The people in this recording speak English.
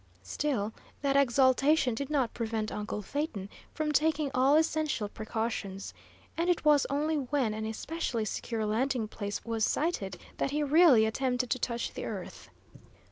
Still, that exaltation did not prevent uncle Phaeton from taking all essential precautions, and it was only when an especially secure landing place was sighted that he really attempted to touch the earth.